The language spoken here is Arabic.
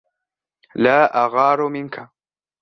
لا أغار منك